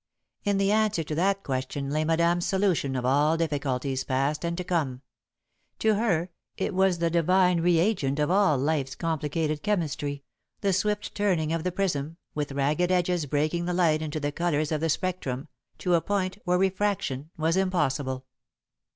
In the answer to that question lay Madame's solution of all difficulties, past and to come. To her, it was the divine reagent of all Life's complicated chemistry; the swift turning of the prism, with ragged edges breaking the light into the colours of the spectrum, to a point where refraction was impossible.